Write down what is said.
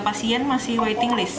dua puluh tiga pasien masih waiting list